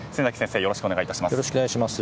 よろしくお願いします。